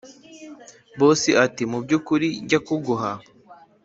boss ati”mubyukuri jya kuguha